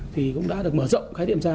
thì cũng đã được mở rộng khái niệm ra